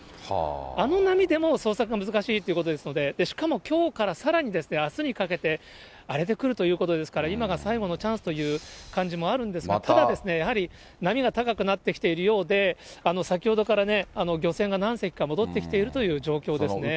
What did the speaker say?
あの波でも捜索が難しいということですので、しかも、きょうからさらにあすにかけて、荒れてくるということですから、今が最後のチャンスという感じもあるんですが、ただですね、やはり波が高くなってきているようで、先ほどからね、漁船が何隻か戻ってきているという状況ですね。